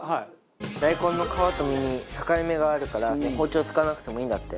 大根の皮と身に境目があるから包丁使わなくてもいいんだって。